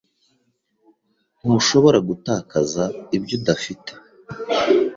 Ntushobora gutakaza ibyo udafite.